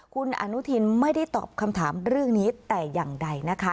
คุณอนุทินไม่ได้ตอบคำถามเรื่องนี้แต่อย่างใดนะคะ